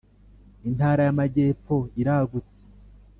Intara yamajyepfo iragutse.